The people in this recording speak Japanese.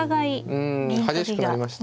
うん激しくなりましたね。